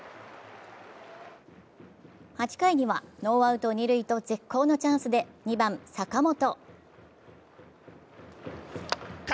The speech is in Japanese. ８回にはノーアウト二塁と絶好のチャンスで、２番・坂本。